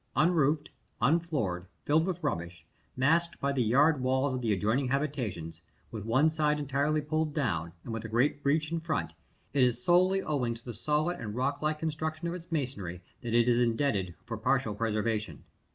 Unroofed, unfloored, filled with rubbish, masked by the yard walls of the adjoining habitations, with one side entirely pulled down, and a great breach in front, it is solely owing to the solid and rock like construction of its masonry that it is indebted for partial preservation.